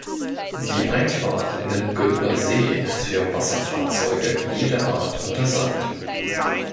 Die Einfahrt in den Gülper See ist für Wasserfahrzeuge jeder Art untersagt.